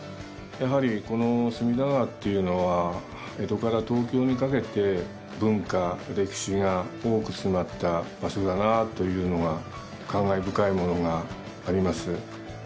やはりこの隅田川っていうのは江戸から東京にかけて文化・歴史が多く詰まった場所だなというのが考え深いものがあります。